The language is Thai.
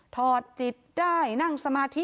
อดจิตได้นั่งสมาธิ